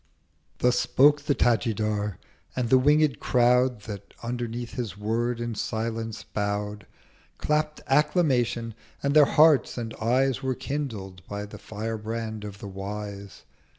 Thus spoke the Tajidar: and the wing'd Crowd, That underneath his Word in Silence bow'd, 110 Clapp'd Acclamation: and their Hearts and Eyes Were kindled by the Firebrand of the Wise.